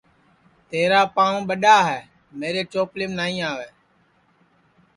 تیرا پانٚو ٻڈؔا ہے میرے چوپلیم نائی آوے